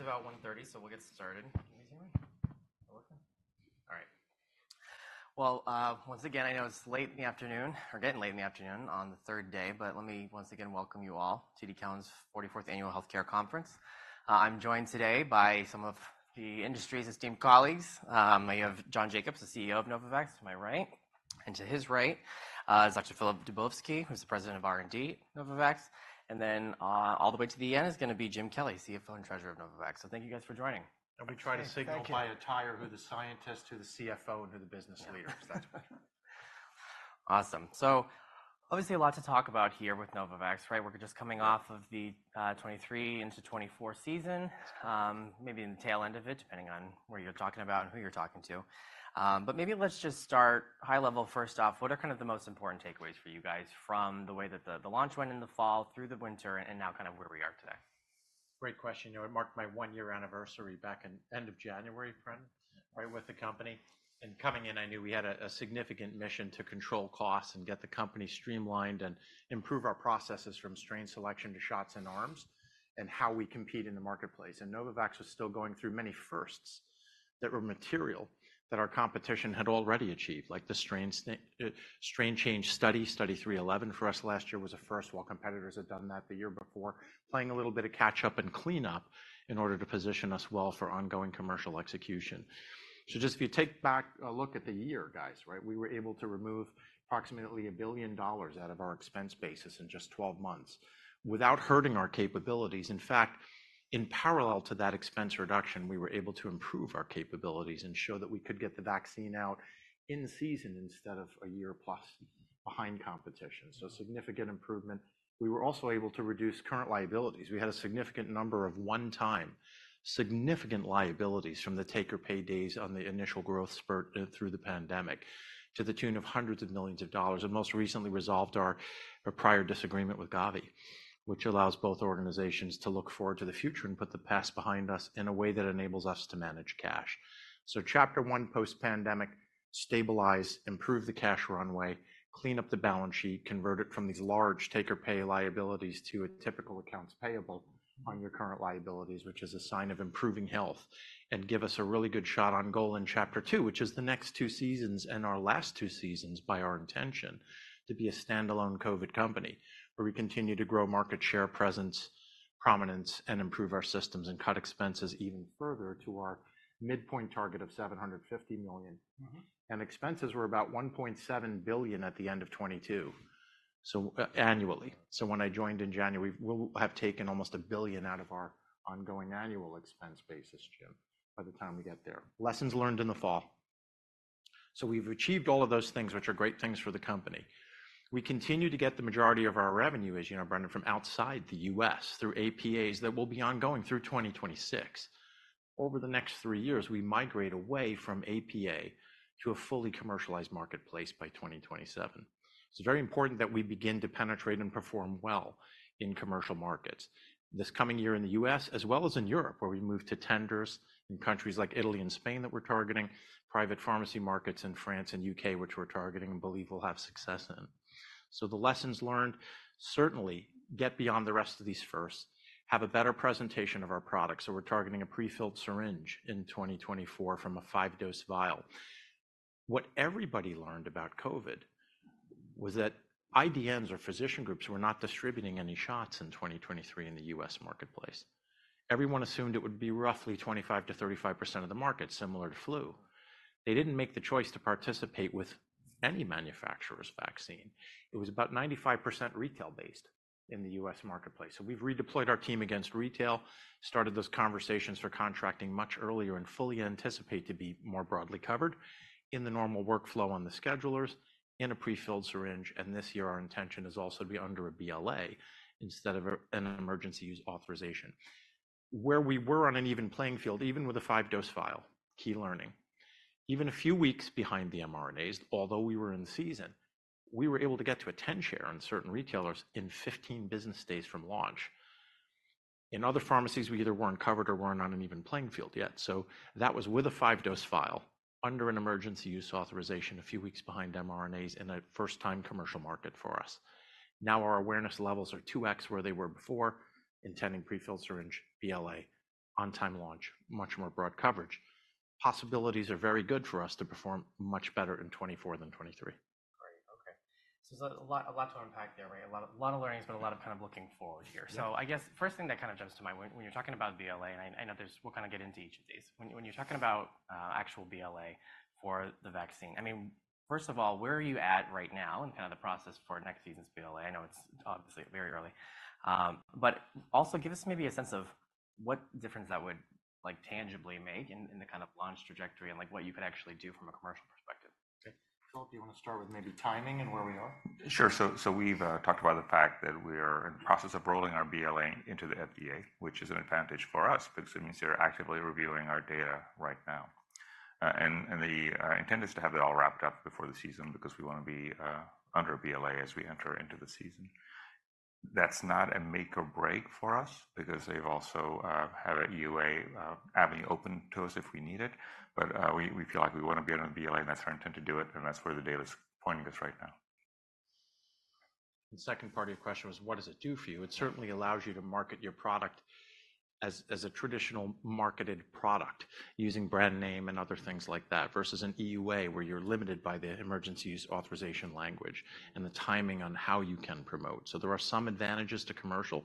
All right. I think it's about 1:30 P.M., so we'll get started. Can you hear me? Are we okay? All right. Well, once again, I know it's late in the afternoon or getting late in the afternoon on the third day, but let me once again welcome you all to TD Cowen's 44th Annual Health Care Conference. I'm joined today by some of the industry's esteemed colleagues. I have John Jacobs, the CEO of Novavax, to my right. And to his right is Dr. Filip Dubovsky, who's the president of R&D at Novavax. And then all the way to the end is going to be Jim Kelly, CFO and treasurer of Novavax. So thank you guys for joining. We try to signal by attire who the scientist, who the CFO, and who the business leader is. That's what we're trying to do. Awesome. So obviously a lot to talk about here with Novavax, right? We're just coming off of the 2023 into 2024 season, maybe in the tail end of it, depending on where you're talking about and who you're talking to. But maybe let's just start high level first off. What are kind of the most important takeaways for you guys from the way that the launch went in the fall through the winter and now kind of where we are today? Great question. You know, it marked my one-year anniversary back in end of January, friend, right, with the company. Coming in, I knew we had a significant mission to control costs and get the company streamlined and improve our processes from strain selection to shots and arms and how we compete in the marketplace. Novavax was still going through many firsts that were material that our competition had already achieved, like the strain change study. Study 311 for us last year was a first while competitors had done that the year before, playing a little bit of catch-up and cleanup in order to position us well for ongoing commercial execution. So just if you take back a look at the year, guys, right, we were able to remove approximately $1 billion out of our expense basis in just 12 months without hurting our capabilities. In fact, in parallel to that expense reduction, we were able to improve our capabilities and show that we could get the vaccine out in season instead of a year plus behind competition. So significant improvement. We were also able to reduce current liabilities. We had a significant number of one-time significant liabilities from the take-or-pay days on the initial growth spurt through the pandemic to the tune of hundreds of millions and most recently resolved our prior disagreement with Gavi, which allows both organizations to look forward to the future and put the past behind us in a way that enables us to manage cash. Chapter one post-pandemic, stabilize, improve the cash runway, clean up the balance sheet, convert it from these large take-or-pay liabilities to a typical accounts payable on your current liabilities, which is a sign of improving health, and give us a really good shot on goal in chapter two, which is the next two seasons and our last two seasons by our intention to be a standalone COVID company where we continue to grow market share, presence, prominence, and improve our systems and cut expenses even further to our midpoint target of $750 million. Expenses were about $1.7 billion at the end of 2022 annually. When I joined in January, we'll have taken almost $1 billion out of our ongoing annual expense basis, Jim, by the time we get there. Lessons learned in the fall. So we've achieved all of those things, which are great things for the company. We continue to get the majority of our revenue, as you know, Brendan, from outside the U.S. through APAs that will be ongoing through 2026. Over the next three years, we migrate away from APA to a fully commercialized marketplace by 2027. It's very important that we begin to penetrate and perform well in commercial markets this coming year in the U.S. as well as in Europe where we move to tenders in countries like Italy and Spain that we're targeting, private pharmacy markets in France and U.K. which we're targeting and believe we'll have success in. So the lessons learned, certainly get beyond the rest of these firsts, have a better presentation of our products. So we're targeting a prefilled syringe in 2024 from a 5-dose vial. What everybody learned about COVID was that IDNs or physician groups were not distributing any shots in 2023 in the U.S. marketplace. Everyone assumed it would be roughly 25%-35% of the market, similar to flu. They didn't make the choice to participate with any manufacturer's vaccine. It was about 95% retail-based in the U.S. marketplace. So we've redeployed our team against retail, started those conversations for contracting much earlier and fully anticipate to be more broadly covered in the normal workflow on the schedulers in a prefilled syringe. And this year, our intention is also to be under a BLA instead of an emergency use authorization. Where we were on an even playing field, even with a 5-dose vial, key learning, even a few weeks behind the mRNAs, although we were in season, we were able to get to a 10-share on certain retailers in 15 business days from launch. In other pharmacies, we either weren't covered or weren't on an even playing field yet. So that was with a 5-dose vial, under an emergency use authorization, a few weeks behind mRNAs in a first-time commercial market for us. Now our awareness levels are 2x where they were before including prefilled syringe, BLA, on-time launch, much more broad coverage. Possibilities are very good for us to perform much better in 2024 than 2023. Great. Okay. So there's a lot to unpack there, right? A lot of learnings, but a lot of kind of looking forward here. So I guess first thing that kind of jumps to mind when you're talking about BLA and I know we'll kind of get into each of these. When you're talking about actual BLA for the vaccine, I mean, first of all, where are you at right now in kind of the process for next season's BLA? I know it's obviously very early. But also give us maybe a sense of what difference that would tangibly make in the kind of launch trajectory and what you could actually do from a commercial perspective. Okay. Filip, do you want to start with maybe timing and where we are? Sure. So we've talked about the fact that we are in the process of rolling our BLA into the FDA, which is an advantage for us because it means they're actively reviewing our data right now. The intent is to have it all wrapped up before the season because we want to be under a BLA as we enter into the season. That's not a make-or-break for us because they also have an EUA avenue open to us if we need it. But we feel like we want to be under the BLA, and that's our intent to do it, and that's where the data's pointing us right now. Second part of your question was, what does it do for you? It certainly allows you to market your product as a traditional marketed product using brand name and other things like that versus an EUA where you're limited by the emergency use authorization language and the timing on how you can promote. There are some advantages to commercial,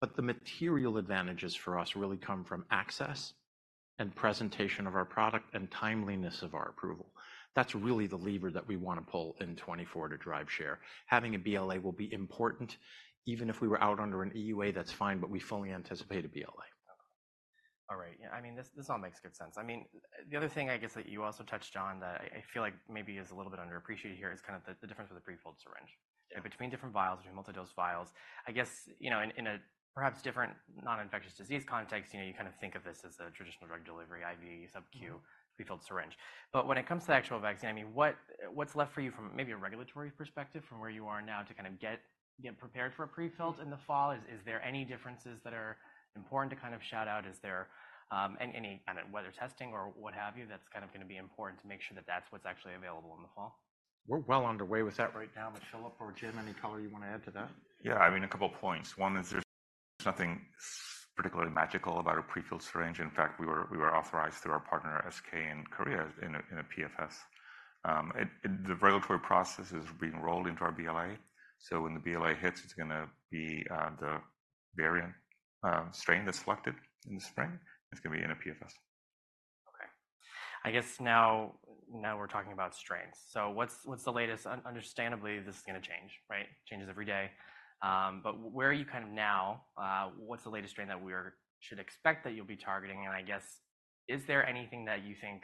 but the material advantages for us really come from access and presentation of our product and timeliness of our approval. That's really the lever that we want to pull in 2024 to drive share. Having a BLA will be important. Even if we were out under an EUA, that's fine, but we fully anticipate a BLA. Okay. All right. Yeah. I mean, this all makes good sense. I mean, the other thing, I guess, that you also touched, John, that I feel like maybe is a little bit underappreciated here is kind of the difference with a prefilled syringe. Between different vials, between multidose vials, I guess, you know, in a perhaps different non-infectious disease context, you kind of think of this as a traditional drug delivery, IV, subQ, prefilled syringe. But when it comes to the actual vaccine, I mean, what's left for you from maybe a regulatory perspective, from where you are now to kind of get prepared for a prefilled in the fall? Is there any differences that are important to kind of shout out? Is there any kind of weather testing or what have you that's kind of going to be important to make sure that that's what's actually available in the fall? We're well underway with that right now. Michelle or Jim, any color you want to add to that? Yeah. I mean, a couple of points. One is there's nothing particularly magical about a prefilled syringe. In fact, we were authorized through our partner SK in Korea in a PFS. The regulatory process is being rolled into our BLA. So when the BLA hits, it's going to be the variant strain that's selected in the spring. It's going to be in a PFS. Okay. I guess now we're talking about strains. So what's the latest? Understandably, this is going to change, right? Changes every day. But where are you kind of now? What's the latest strain that we should expect that you'll be targeting? And I guess, is there anything that you think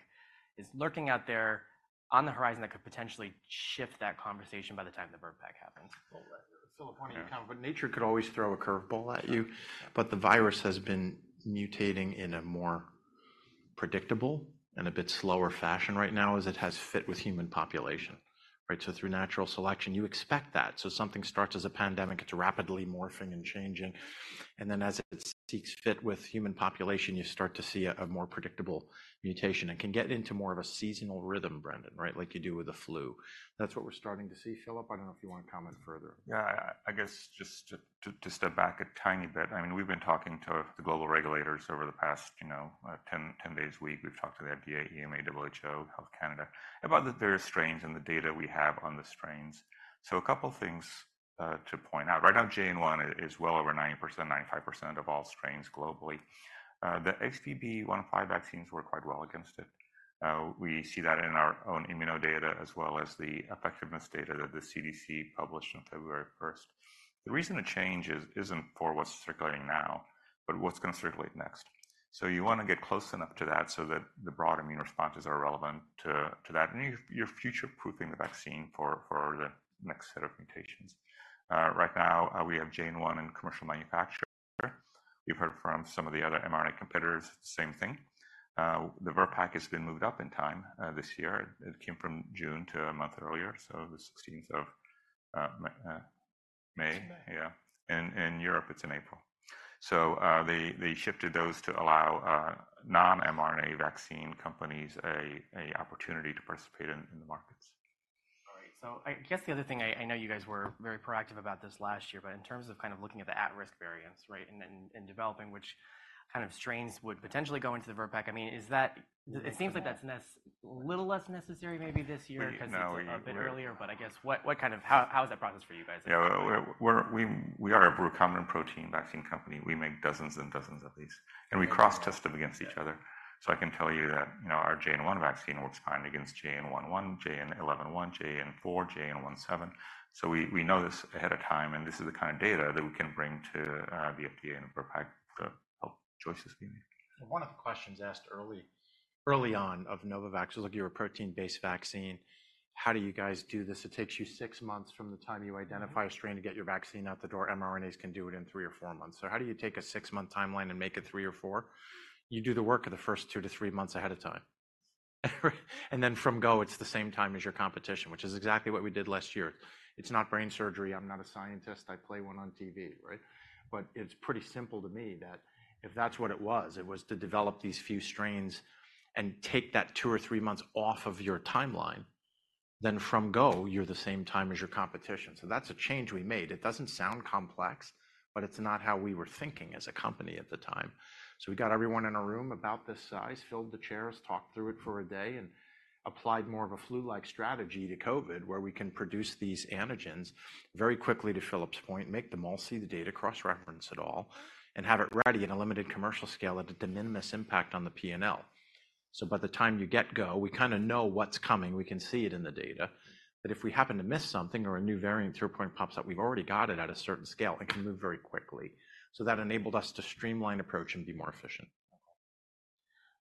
is lurking out there on the horizon that could potentially shift that conversation by the time the VRBPAC happens? Well, Filip, why don't you comment? But nature could always throw a curveball at you. But the virus has been mutating in a more predictable and a bit slower fashion right now as it has fit with human population, right? So through natural selection, you expect that. So something starts as a pandemic, it's rapidly morphing and changing. And then as it seeks fit with human population, you start to see a more predictable mutation and can get into more of a seasonal rhythm, Brendan, right, like you do with the flu. That's what we're starting to see. Filip, I don't know if you want to comment further. Yeah. I guess just to step back a tiny bit, I mean, we've been talking to the global regulators over the past 10 days a week. We've talked to the FDA, EMA, WHO, Health Canada about the various strains and the data we have on the strains. So a couple of things to point out. Right now, JN.1 is well over 90%, 95% of all strains globally. The XBB.1.5 vaccines work quite well against it. We see that in our own immunodata as well as the effectiveness data that the CDC published on February 1st. The reason the change isn't for what's circulating now, but what's going to circulate next. So you want to get close enough to that so that the broad immune responses are relevant to that. And you're future-proofing the vaccine for the next set of mutations. Right now, we have JN.1 in commercial manufacture. We've heard from some of the other mRNA competitors, same thing. The VRBPAC has been moved up in time this year. It came from June to a month earlier, so the 16th of May. It's in May. Yeah. In Europe, it's in April. They shifted those to allow non-mRNA vaccine companies an opportunity to participate in the markets. All right. So I guess the other thing, I know you guys were very proactive about this last year, but in terms of kind of looking at the at-risk variants, right, and developing which kind of strains would potentially go into the VRBPAC, I mean, it seems like that's a little less necessary maybe this year because it's a bit earlier. But I guess how is that process for you guys? Yeah. We are a protein vaccine company. We make dozens and dozens of these. And we cross-test them against each other. So I can tell you that our JN.1 vaccine works fine against JN.11, JN.11, JN.4, JN.17. So we know this ahead of time. And this is the kind of data that we can bring to the FDA and VRBPAC, the choices we make. One of the questions asked early on of Novavax, it was like, "You're a protein-based vaccine. How do you guys do this? It takes you six months from the time you identify a strain to get your vaccine out the door. mRNAs can do it in three or four months." So how do you take a six-month timeline and make it three or four? You do the work of the first two to three months ahead of time. And then from go, it's the same time as your competition, which is exactly what we did last year. It's not brain surgery. I'm not a scientist. I play one on TV, right? But it's pretty simple to me that if that's what it was, it was to develop these few strains and take that two or three months off of your timeline, then from go, you're the same time as your competition. So that's a change we made. It doesn't sound complex, but it's not how we were thinking as a company at the time. So we got everyone in a room about this size, filled the chairs, talked through it for a day, and applied more of a flu-like strategy to COVID where we can produce these antigens very quickly to Filip's point, make them all see the data cross-reference at all, and have it ready at a limited commercial scale at a de minimis impact on the PNL. So by the time you get go, we kind of know what's coming. We can see it in the data. But if we happen to miss something or a new variant JN.1 pops up, we've already got it at a certain scale. It can move very quickly. So that enabled us to streamline approach and be more efficient. Okay.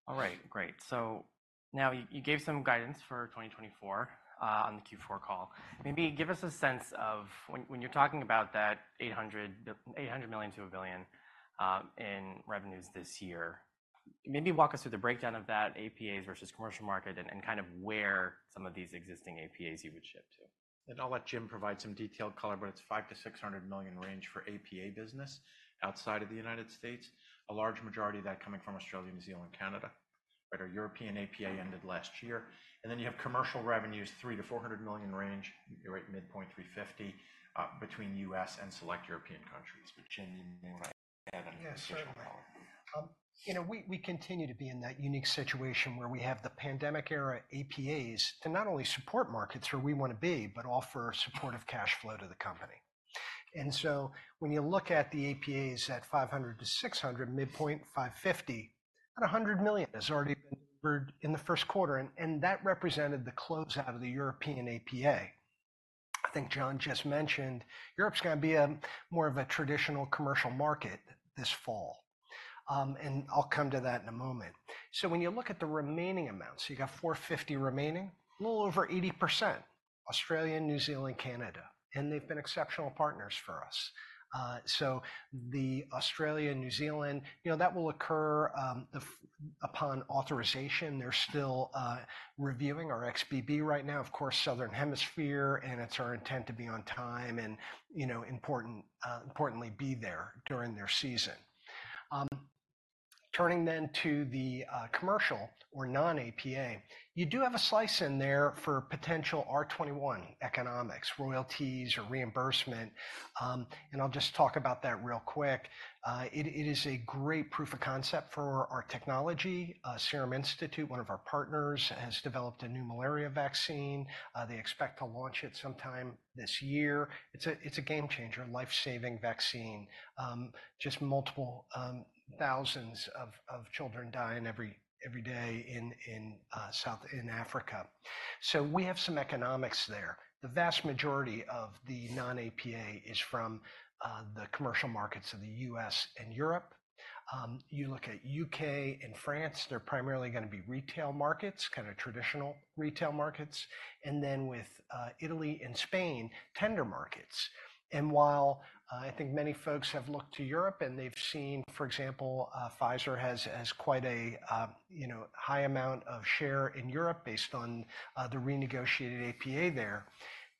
All right. Great. So now you gave some guidance for 2024 on the Q4 call. Maybe give us a sense of when you're talking about that $800 million-$1 billion in revenues this year, maybe walk us through the breakdown of that, APAs versus commercial market, and kind of where some of these existing APAs you would ship to. I'll let Jim provide some detailed color, but it's $500 million-$600 million range for APA business outside of the United States, a large majority of that coming from Australia, New Zealand, Canada, right, our European APA ended last year. Then you have commercial revenues, $300 million-$400 million range, midpoint $350 million, between U.S. and select European countries. But Jim, you may want to add an additional color. Sure. You know, we continue to be in that unique situation where we have the pandemic-era APAs to not only support markets where we want to be, but offer supportive cash flow to the company. And so when you look at the APAs at $500 million-$600 million, midpoint $550 million, about $100 million has already been delivered in the first quarter. And that represented the closeout of the European APA. I think John just mentioned Europe's going to be more of a traditional commercial market this fall. And I'll come to that in a moment. So when you look at the remaining amounts, you got $450 million remaining, a little over 80%, Australia, New Zealand, Canada. And they've been exceptional partners for us. So the Australia, New Zealand, that will occur upon authorization. They're still reviewing our XBB right now, of course, southern hemisphere, and it's our intent to be on time and importantly be there during their season. Turning then to the commercial or non-APA, you do have a slice in there for potential R21 economics, royalties or reimbursement. I'll just talk about that real quick. It is a great proof of concept for our technology. Serum Institute, one of our partners, has developed a new malaria vaccine. They expect to launch it sometime this year. It's a game-changer, lifesaving vaccine. Just multiple thousands of children die every day in Africa. So we have some economics there. The vast majority of the non-APA is from the commercial markets of the U.S. and Europe. You look at U.K. and France, they're primarily going to be retail markets, kind of traditional retail markets. Then with Italy and Spain, tender markets. And while I think many folks have looked to Europe and they've seen, for example, Pfizer has quite a high amount of share in Europe based on the renegotiated APA there,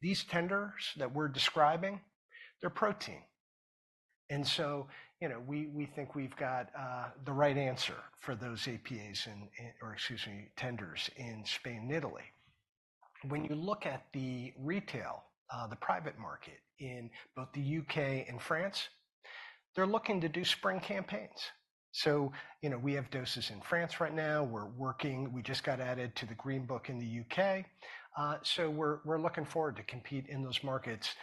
these tenders that we're describing, they're protein. And so we think we've got the right answer for those APAs or, excuse me, tenders in Spain and Italy. When you look at the retail, the private market in both the U.K. and France, they're looking to do spring campaigns. So we have doses in France right now. We're working. We just got added to the Green Book in the U.K. So we're looking forward to compete in those markets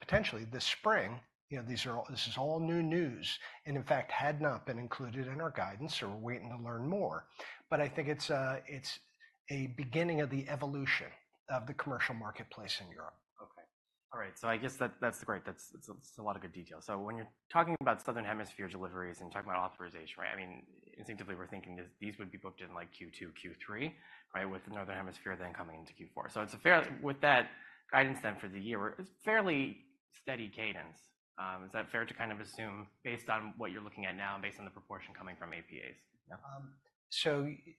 potentially this spring. This is all new news and, in fact, had not been included in our guidance. So we're waiting to learn more. But I think it's a beginning of the evolution of the commercial marketplace in Europe. Okay. All right. So I guess that's great. That's a lot of good detail. So when you're talking about southern hemisphere deliveries and talking about authorization, right? I mean, instinctively, we're thinking these would be booked in Q2, Q3, right, with the northern hemisphere then coming into Q4. So with that guidance then for the year, fairly steady cadence. Is that fair to kind of assume based on what you're looking at now and based on the proportion coming from APAs?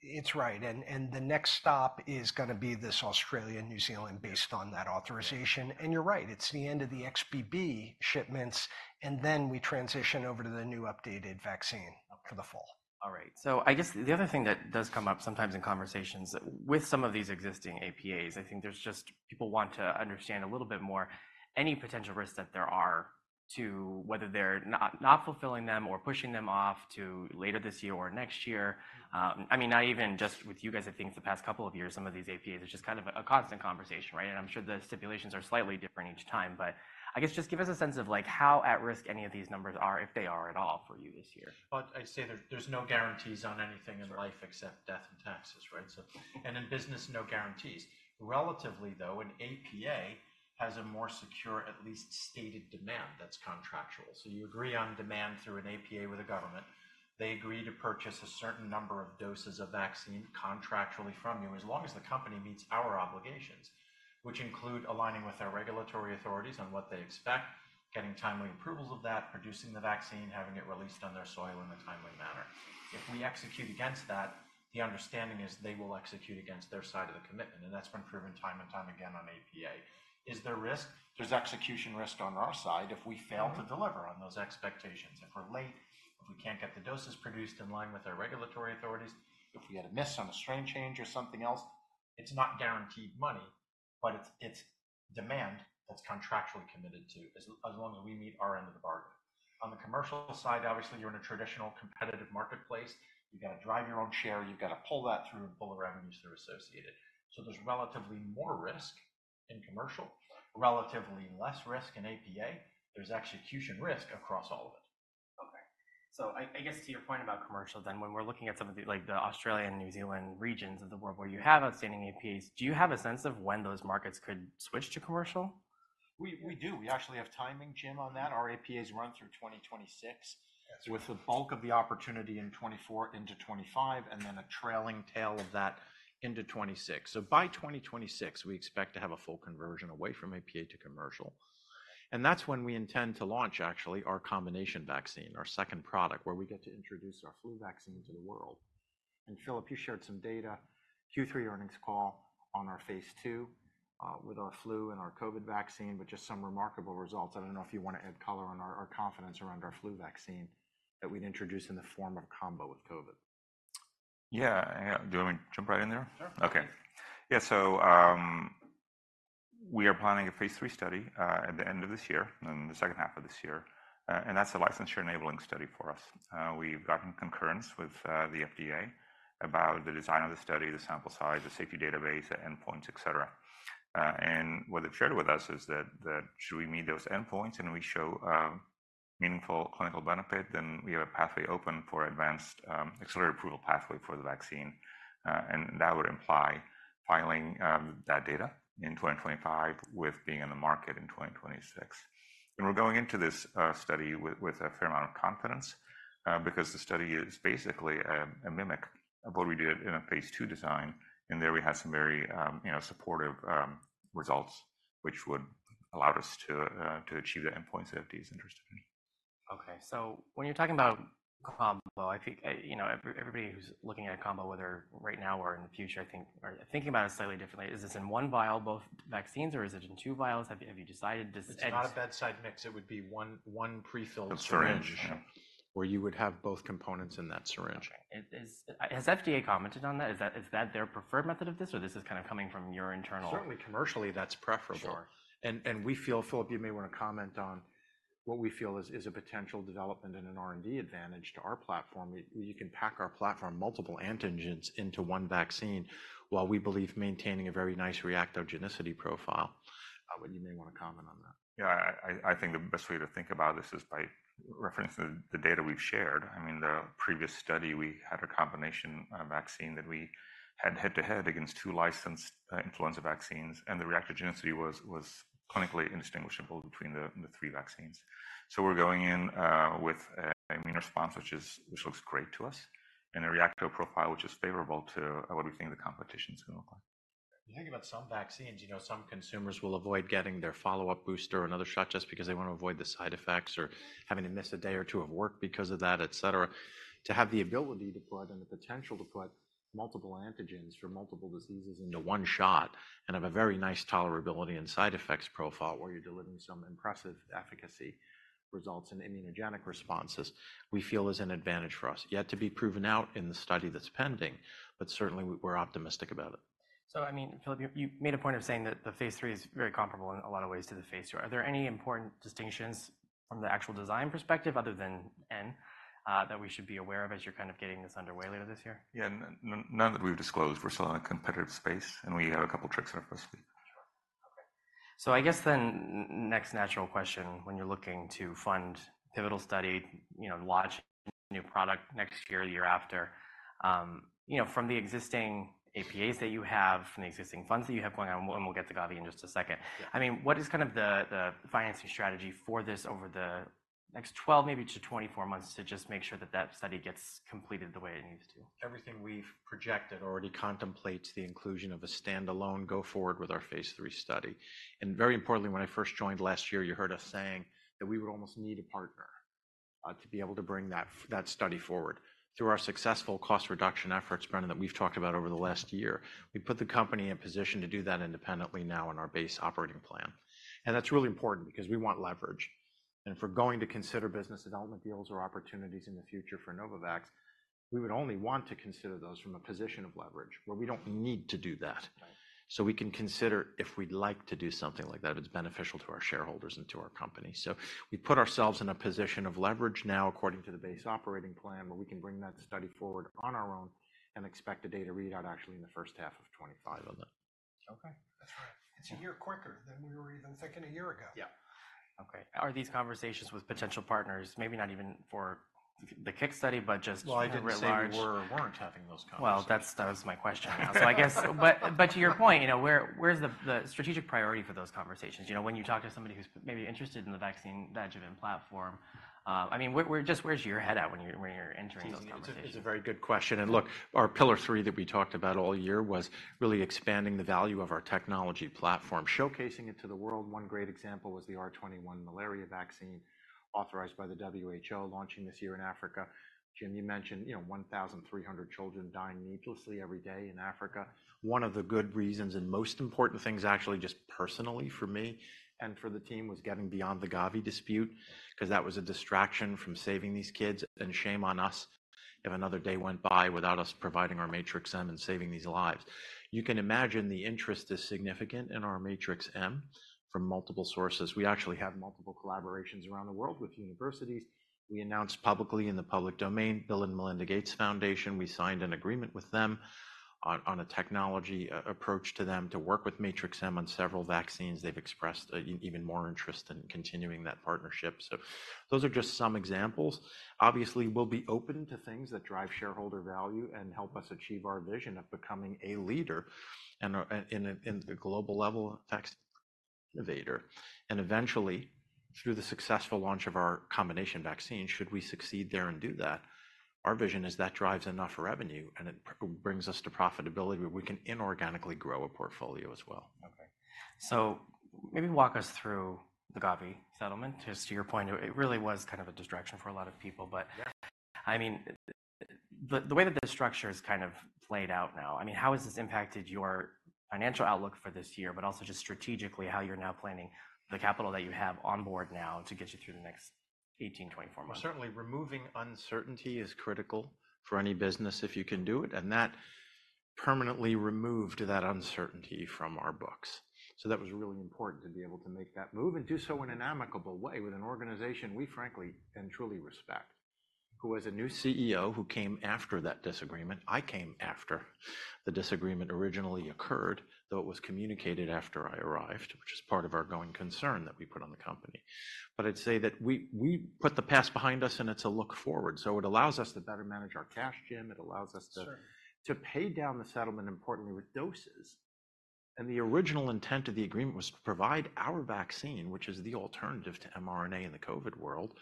It's right. The next stop is going to be this Australia, New Zealand based on that authorization. You're right. It's the end of the XBB shipments, and then we transition over to the new updated vaccine for the fall. All right. So I guess the other thing that does come up sometimes in conversations with some of these existing APAs, I think there's just people want to understand a little bit more any potential risks that there are to whether they're not fulfilling them or pushing them off to later this year or next year. I mean, not even just with you guys, I think the past couple of years, some of these APAs, it's just kind of a constant conversation, right? And I'm sure the stipulations are slightly different each time. But I guess just give us a sense of how at risk any of these numbers are, if they are at all, for you this year. But I'd say there's no guarantees on anything in life except death and taxes, right? And in business, no guarantees. Relatively, though, an APA has a more secure, at least stated demand that's contractual. So you agree on demand through an APA with the government. They agree to purchase a certain number of doses of vaccine contractually from you as long as the company meets our obligations, which include aligning with our regulatory authorities on what they expect, getting timely approvals of that, producing the vaccine, having it released on their soil in a timely manner. If we execute against that, the understanding is they will execute against their side of the commitment. And that's been proven time and time again on APA. Is there risk? There's execution risk on our side if we fail to deliver on those expectations, if we're late, if we can't get the doses produced in line with our regulatory authorities, if we had a miss on a strain change or something else. It's not guaranteed money, but it's demand that's contractually committed to as long as we meet our end of the bargain. On the commercial side, obviously, you're in a traditional competitive marketplace. You've got to drive your own share. You've got to pull that through and pull the revenues that are associated. So there's relatively more risk in commercial, relatively less risk in APA. There's execution risk across all of it. Okay. So I guess to your point about commercial then, when we're looking at some of the Australian and New Zealand regions of the world where you have outstanding APAs, do you have a sense of when those markets could switch to commercial? We do. We actually have timing, Jim, on that. Our APAs run through 2026 with the bulk of the opportunity in 2024 into 2025 and then a trailing tail of that into 2026. So by 2026, we expect to have a full conversion away from APA to commercial. And that's when we intend to launch, actually, our combination vaccine, our second product, where we get to introduce our flu vaccine to the world. And Filip, you shared some data, Q3 earnings call on our Phase II with our flu and our COVID vaccine, but just some remarkable results. I don't know if you want to add color on our confidence around our flu vaccine that we'd introduce in the form of a combo with COVID. Yeah. Do you want me to jump right in there? Sure. Okay. Yeah. So we are planning a Phase III study at the end of this year and the second half of this year. That's a licensure-enabling study for us. We've gotten concurrence with the FDA about the design of the study, the sample size, the safety database, the endpoints, etc. What they've shared with us is that should we meet those endpoints and we show meaningful clinical benefit, then we have a pathway open for advanced accelerated approval pathway for the vaccine. That would imply filing that data in 2025 with being in the market in 2026. We're going into this study with a fair amount of confidence because the study is basically a mimic of what we did in a Phase II design. There we had some very supportive results, which would allow us to achieve the endpoints that FDA is interested in. Okay. So when you're talking about combo, I think everybody who's looking at a combo, whether right now or in the future, I think, are thinking about it slightly differently. Is this in one vial, both vaccines, or is it in two vials? Have you decided? It's not a bedside mix. It would be one prefilled syringe where you would have both components in that syringe. Okay. Has FDA commented on that? Is that their preferred method of this, or this is kind of coming from your internal? Certainly, commercially, that's preferable. And we feel, Filip, you may want to comment on what we feel is a potential development and an R&D advantage to our platform. You can pack our platform, multiple antigens, into one vaccine while we believe maintaining a very nice reactogenicity profile. You may want to comment on that. Yeah. I think the best way to think about this is by referencing the data we've shared. I mean, the previous study, we had a combination vaccine that we had head-to-head against two licensed influenza vaccines. And the reactogenicity was clinically indistinguishable between the three vaccines. So we're going in with an immune response, which looks great to us, and a reactogenicity profile, which is favorable to what we think the competition's going to look like. You think about some vaccines, some consumers will avoid getting their follow-up booster or another shot just because they want to avoid the side effects or having to miss a day or two of work because of that, etc. To have the ability to put and the potential to put multiple antigens for multiple diseases into one shot and have a very nice tolerability and side effects profile where you're delivering some impressive efficacy results and immunogenic responses, we feel is an advantage for us, yet to be proven out in the study that's pending. But certainly, we're optimistic about it. So I mean, Filip, you made a point of saying that the Phase III is very comparable in a lot of ways to the Phase II. Are there any important distinctions from the actual design perspective other than N that we should be aware of as you're kind of getting this underway later this year? Yeah. None that we've disclosed. We're still in a competitive space, and we have a couple of tricks up our sleeve. Sure. Okay. So I guess then next natural question, when you're looking to fund pivotal study, launch a new product next year, the year after, from the existing APAs that you have, from the existing funds that you have going on, and we'll get to Gavi in just a second, I mean, what is kind of the financing strategy for this over the next 12, maybe to 24 months to just make sure that that study gets completed the way it needs to? Everything we've projected already contemplates the inclusion of a standalone go-forward with our Phase III study. Very importantly, when I first joined last year, you heard us saying that we would almost need a partner to be able to bring that study forward. Through our successful cost reduction efforts, Brendan, that we've talked about over the last year, we put the company in a position to do that independently now in our base operating plan. That's really important because we want leverage. If we're going to consider business development deals or opportunities in the future for Novavax, we would only want to consider those from a position of leverage where we don't need to do that. So we can consider if we'd like to do something like that. It's beneficial to our shareholders and to our company. So we put ourselves in a position of leverage now according to the base operating plan where we can bring that study forward on our own and expect a data readout actually in the first half of 2025 on that. Okay. That's right. It's a year quicker than we were even thinking a year ago. Yeah. Okay. Are these conversations with potential partners, maybe not even for the CIC study, but just in regards? Well, I didn't say we weren't having those conversations. Well, that was my question now. So I guess, but to your point, where's the strategic priority for those conversations? When you talk to somebody who's maybe interested in the vaccine-based NVX platform, I mean, just where's your head at when you're entering those conversations? It's a very good question. And look, our pillar three that we talked about all year was really expanding the value of our technology platform, showcasing it to the world. One great example was the R21 malaria vaccine authorized by the WHO, launching this year in Africa. Jim, you mentioned 1,300 children dying needlessly every day in Africa. One of the good reasons and most important things, actually, just personally for me and for the team, was getting beyond the Gavi dispute because that was a distraction from saving these kids and shame on us if another day went by without us providing our Matrix-M and saving these lives. You can imagine the interest is significant in our Matrix-M from multiple sources. We actually have multiple collaborations around the world with universities. We announced publicly in the public domain, Bill & Melinda Gates Foundation. We signed an agreement with them on a technology approach to them to work with Matrix-M on several vaccines. They've expressed even more interest in continuing that partnership. So those are just some examples. Obviously, we'll be open to things that drive shareholder value and help us achieve our vision of becoming a leader in the global level vaccine innovator. And eventually, through the successful launch of our combination vaccine, should we succeed there and do that, our vision is that drives enough revenue and it brings us to profitability where we can inorganically grow a portfolio as well. Okay. So maybe walk us through the Gavi settlement. Because to your point, it really was kind of a distraction for a lot of people. But I mean, the way that the structure is kind of played out now, I mean, how has this impacted your financial outlook for this year, but also just strategically how you're now planning the capital that you have on board now to get you through the next 18, 24 months? Certainly, removing uncertainty is critical for any business if you can do it. That permanently removed that uncertainty from our books. That was really important to be able to make that move and do so in an amicable way with an organization we, frankly, and truly respect, who has a new CEO who came after that disagreement. I came after the disagreement originally occurred, though it was communicated after I arrived, which is part of our going concern that we put on the company. I'd say that we put the past behind us, and it's a look forward. It allows us to better manage our cash, Jim. It allows us to pay down the settlement importantly with doses. The original intent of the agreement was to provide our vaccine, which is the alternative to mRNA in the COVID world,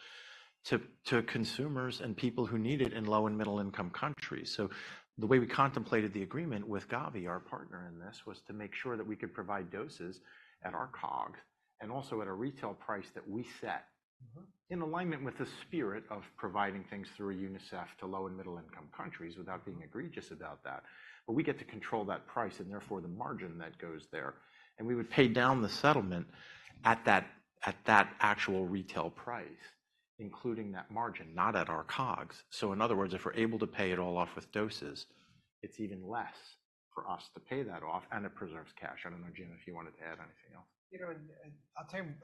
to consumers and people who need it in low and middle-income countries. So the way we contemplated the agreement with Gavi, our partner in this, was to make sure that we could provide doses at our COGS and also at a retail price that we set in alignment with the spirit of providing things through UNICEF to low and middle-income countries without being egregious about that. But we get to control that price and therefore the margin that goes there. And we would pay down the settlement at that actual retail price, including that margin, not at our COGS. So in other words, if we're able to pay it all off with doses, it's even less for us to pay that off, and it preserves cash. I don't know, Jim, if you wanted to add anything else?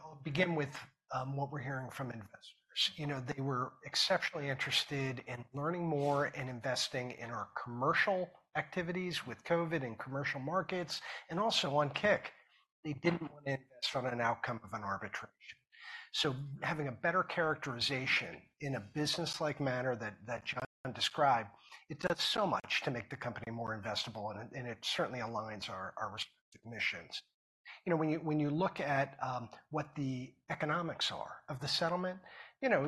I'll begin with what we're hearing from investors. They were exceptionally interested in learning more and investing in our commercial activities with COVID and commercial markets. And also on kick, they didn't want to invest on an outcome of an arbitration. So having a better characterization in a business-like manner that John described, it does so much to make the company more investable, and it certainly aligns our respective missions. When you look at what the economics are of the settlement,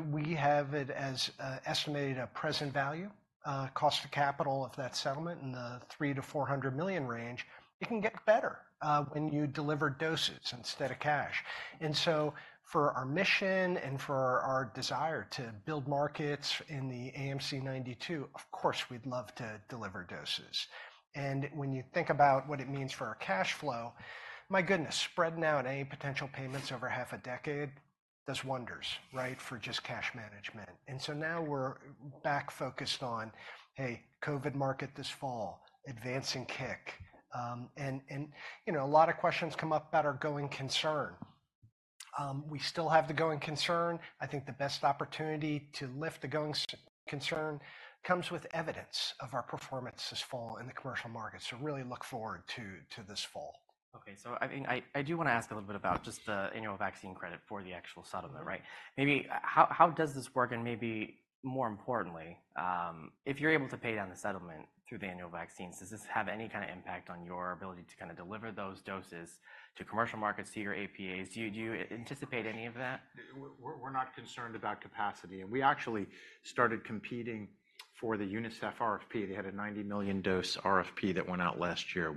we have it as estimated a present value, cost of capital of that settlement in the $300 million-$400 million range. It can get better when you deliver doses instead of cash. And so for our mission and for our desire to build markets in the AMC 92, of course, we'd love to deliver doses. When you think about what it means for our cash flow, my goodness, spreading out any potential payments over half a decade does wonders, right, for just cash management. So now we're back focused on, hey, COVID market this fall, advancing CIC. A lot of questions come up about our going concern. We still have the going concern. I think the best opportunity to lift the going concern comes with evidence of our performance this fall in the commercial markets. So really look forward to this fall. Okay. So I mean, I do want to ask a little bit about just the annual vaccine credit for the actual settlement, right? Maybe how does this work? And maybe more importantly, if you're able to pay down the settlement through the annual vaccines, does this have any kind of impact on your ability to kind of deliver those doses to commercial markets, to your APAs? Do you anticipate any of that? We're not concerned about capacity. We actually started competing for the UNICEF RFP. They had a 90 million dose RFP that went out last year.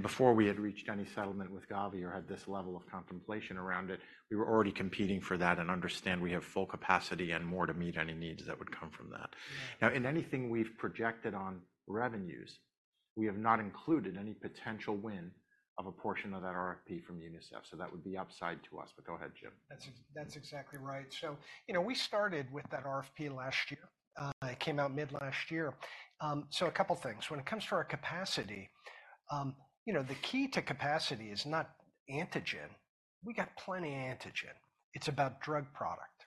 Before we had reached any settlement with Gavi or had this level of contemplation around it, we were already competing for that and understand we have full capacity and more to meet any needs that would come from that. Now, in anything we've projected on revenues, we have not included any potential win of a portion of that RFP from UNICEF. So that would be upside to us. Go ahead, Jim. That's exactly right. We started with that RFP last year. It came out mid-last year. A couple of things. When it comes to our capacity, the key to capacity is not antigen. We got plenty of antigen. It's about drug product,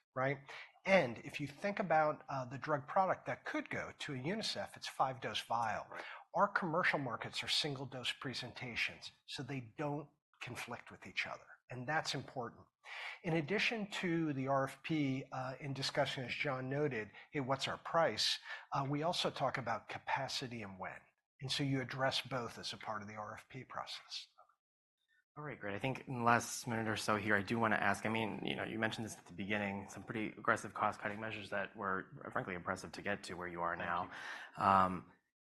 right? If you think about the drug product that could go to UNICEF, it's five-dose vial. Our commercial markets are single-dose presentations, so they don't conflict with each other. And that's important. In addition to the RFP in discussion, as John noted, hey, what's our price? We also talk about capacity and when. And so you address both as a part of the RFP process. All right. Great. I think in the last minute or so here, I do want to ask, I mean, you mentioned this at the beginning, some pretty aggressive cost-cutting measures that were, frankly, impressive to get to where you are now.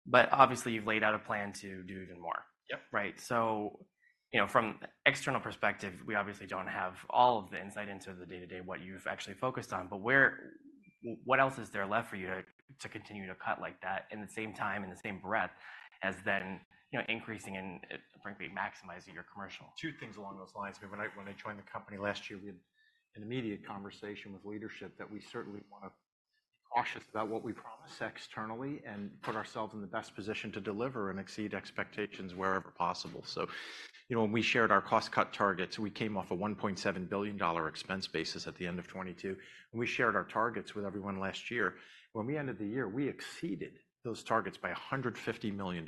But obviously, you've laid out a plan to do even more, right? So from an external perspective, we obviously don't have all of the insight into the day-to-day, what you've actually focused on. But what else is there left for you to continue to cut like that in the same time, in the same breath as then increasing and, frankly, maximizing your commercial? Two things along those lines. I mean, when I joined the company last year, we had an immediate conversation with leadership that we certainly want to be cautious about what we promise externally and put ourselves in the best position to deliver and exceed expectations wherever possible. So when we shared our cost-cut targets, we came off a $1.7 billion expense basis at the end of 2022. When we shared our targets with everyone last year, when we ended the year, we exceeded those targets by $150 million.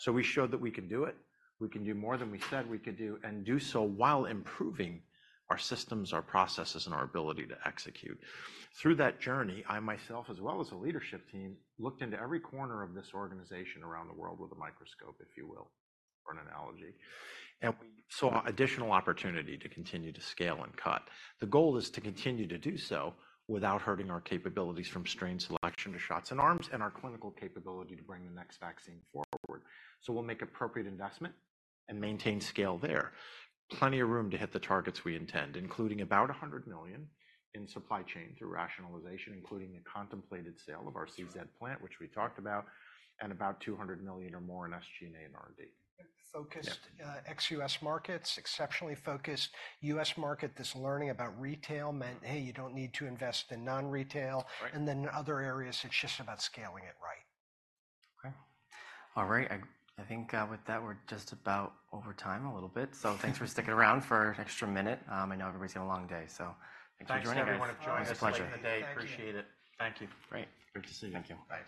So we showed that we can do it. We can do more than we said we could do and do so while improving our systems, our processes, and our ability to execute. Through that journey, I myself, as well as the leadership team, looked into every corner of this organization around the world with a microscope, if you will, for an analogy. We saw additional opportunity to continue to scale and cut. The goal is to continue to do so without hurting our capabilities from strain selection to shots in arms and our clinical capability to bring the next vaccine forward. So we'll make appropriate investment and maintain scale there, plenty of room to hit the targets we intend, including about $100 million in supply chain through rationalization, including the contemplated sale of our CZ plant, which we talked about, and about $200 million or more in SG&A and R&D. Focused ex-US markets, exceptionally focused U.S. market. This learning about retail meant, hey, you don't need to invest in non-retail. And then in other areas, it's just about scaling it right. Okay. All right. I think with that, we're just about over time a little bit. So thanks for sticking around for an extra minute. I know everybody's had a long day. So thanks for joining us. Thanks, everyone, for joining us late in the day. Appreciate it. Thank you. Great. Great to see you. Thank you. Bye.